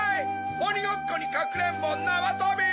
おにごっこにかくれんぼなわとび！